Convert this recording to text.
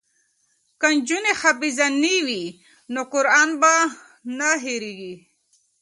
که نجونې حافظانې وي نو قران به نه هیریږي.